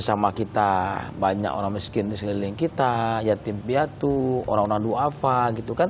ya sama kita banyak orang miskin di sekeliling kita yatibiyatu orang orang do afa gitu kan